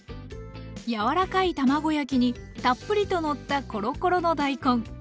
柔らかい卵焼きにたっぷりと載ったコロコロの大根。